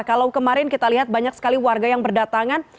kalau kemarin kita lihat banyak sekali warga yang berdatangan